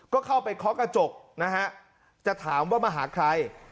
ก็เข้าไปเคาะกระจกนะฮะจะถามว่ามาหาใคร